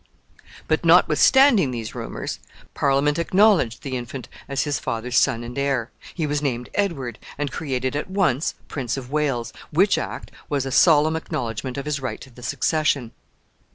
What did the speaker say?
But, notwithstanding these rumors, Parliament acknowledged the infant as his father's son and heir. He was named Edward, and created at once Prince of Wales, which act was a solemn acknowledgment of his right to the succession.